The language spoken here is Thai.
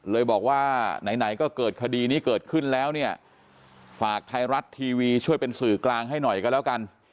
เลยบอกว่าไหนก็เกิดคดีนี้เกิดขึ้นแล้วเนี่ยฝากไทยรัฐทีวีช่วยเป็นสื่อกลางให้หน่อยก็แล้วกัน